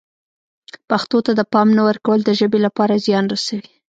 پښتو ته د پام نه ورکول د ژبې لپاره زیان رسوي.